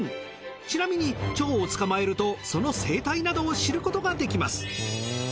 ちなみに蝶を捕まえるとその生態などを知ることができます。